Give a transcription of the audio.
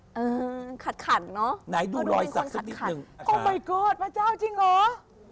เออขัดเนอะเพราะดูให้คุณขัดค่ะโอ้มายก็อดพระเจ้าจริงเหรอ